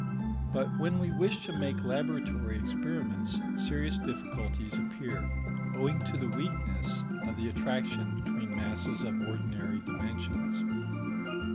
But when we wish to make laboratory experiments serious difficulties appear, owing to the weakness of the attraction between masses of ordinary dimensions.